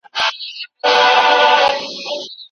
که نجونې ګاونډي سره ښه وکړي نو ژوند به نه وي تریخ.